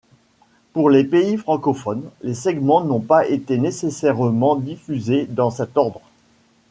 Pour les pays francophones, les segments n'ont pas été nécessairement diffusés dans cet ordre.